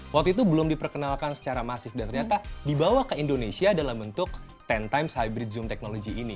waktu itu belum diperkenalkan secara masif dan ternyata dibawa ke indonesia dalam bentuk sepuluh times hybrid zoom technology ini